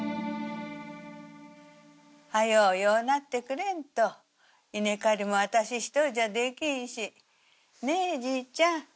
早うようなってくれんと稲刈りも私一人じゃできんしねえじいちゃん。